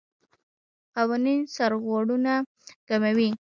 قوانین سرغړونه کموي.